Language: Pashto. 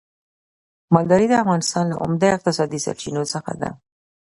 مالداري د افغانستان له عمده اقتصادي سرچينو څخه ده.